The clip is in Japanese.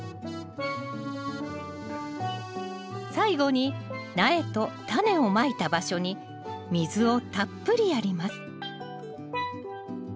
最後に苗とタネをまいた場所に水をたっぷりやります